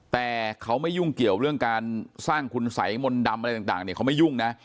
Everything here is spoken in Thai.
แต่เขาไม่ยุ่งเกี่ยวเรื่องการสร้างคุณสัยมนต์ดำอะไรต่างเนี่ยเขาไม่ยุ่งนะ